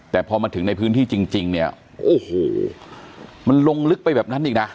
แต่พอมาถึงในพื้นที่จริงเนี่ยโอ้โหมันลงลึกไปแบบนั้นอีกนะ